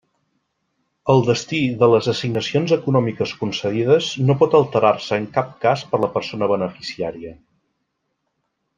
El destí de les assignacions econòmiques concedides no pot alterar-se en cap cas per la persona beneficiària.